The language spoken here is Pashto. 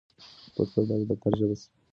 پښتو بايد د دفتر ژبه شي.